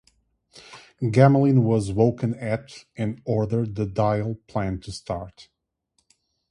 Gamelin was woken at and ordered the Dyle Plan to start.